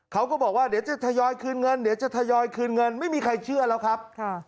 เขาก็บอกว่าเดี๋ยวจะทยอยคืนเงินเดี๋ยวจะทยอยคืนเงินไม่มีใครเชื่อแล้วครับ